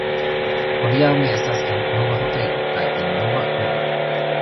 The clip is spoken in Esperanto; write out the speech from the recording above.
Hodiaŭ mi estas en nova hotelo kaj en nova urbo.